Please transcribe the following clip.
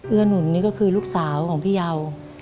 เื่อนหนุนนี่คือลูกสาวของพี่ยาว